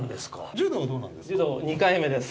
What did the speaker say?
柔道２回目です。